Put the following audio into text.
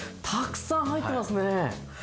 たくさん入ってますねえ。